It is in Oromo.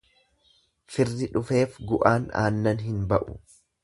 Firri dhufeef gu'aan aannan hin ba'u.